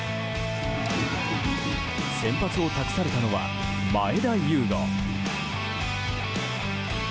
先発を託されたのは前田悠伍。